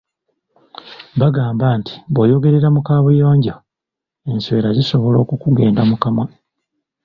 Bagamba nti bw’oyogerera mu kaabuyonjo, enswera zisobola okukugenda mu kamwa.